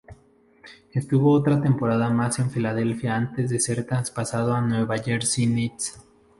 Estuvo otra temporada más en Philadelphia antes de ser traspasado a New Jersey Nets.